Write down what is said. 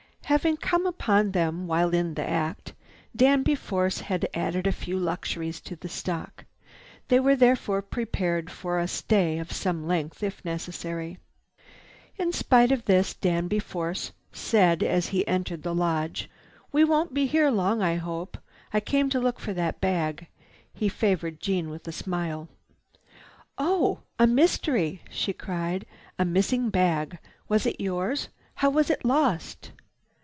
Having come upon them while in the act, Danby Force had added a few luxuries to the stock. They were therefore prepared for a stay of some length if need be. In spite of this, Danby Force said as he entered the lodge, "We won't be here long I hope. I came to look for that bag." He favored Jeanne with a smile. "Oh, a mystery!" she cried. "A missing bag. Was it yours? And how was it lost?"